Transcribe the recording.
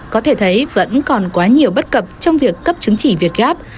có thể thấy vẫn còn quá nhiều bất cập trong việc cấp chứng chỉ việt gáp